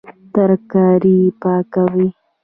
ترکاري پاکوي